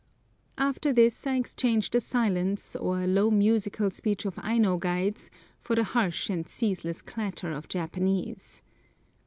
After this I exchanged the silence or low musical speech of Aino guides for the harsh and ceaseless clatter of Japanese.